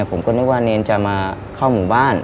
ผมก็นึกว่าเนรจะมาเข้าหมู่บ้าน